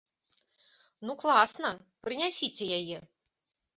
Ну класна, прынясіце яе.